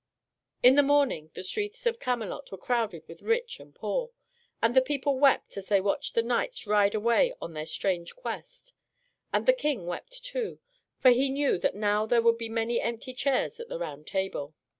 In the morning the streets of Camelot were crowded with rich and poor. And the people wept as they watched the knights ride away on their strange quest. And the King wept too, for he knew that now there would be many empty chairs at the Round Table.